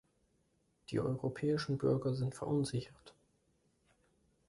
Die europäischen Bürger sind verunsichert.